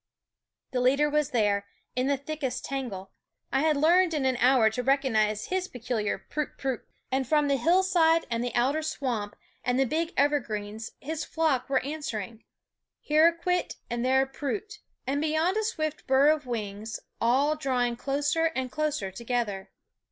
The leader was there, in the thickest tangle I had learned in an hour to recognize his peculiar Prut, prut and from the hillside and the alder swamp and the big evergreens his flock were answer in ; here a ^^ and there a / r ^' and beyond a swift burr of wings, all drawing closer and closer together.